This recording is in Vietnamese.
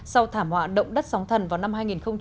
sau thảm họa động đất sóng thần vào năm hai nghìn một mươi